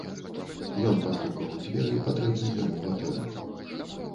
Ён пастукаў у дзверы патрэбнай яму кватэры.